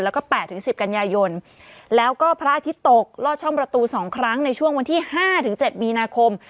แล้วก็๘๑๐กันยายนแล้วก็พระอาทิตย์ตกลอดช่องประตู๒ครั้งในช่วงวันที่๕๗มีนาคม